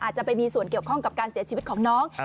จะไปมีส่วนเกี่ยวข้องกับการเสียชีวิตของน้อง